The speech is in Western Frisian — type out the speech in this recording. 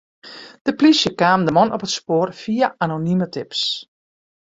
De plysje kaam de man op it spoar fia anonime tips.